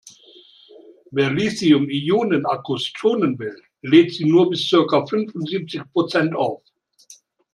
Wer Lithium-Ionen-Akkus schonen will, lädt sie nur bis circa fünfundsiebzig Prozent auf.